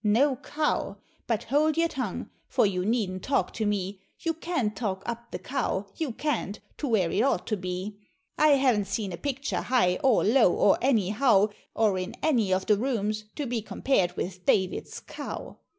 No Cow but hold your tongue for you needn't talk to me You can't talk up the Cow, you can't, to where it ought to be I haven't seen a picture high or low, or anyhow, Or in any of the rooms, to be compared with David's Cow!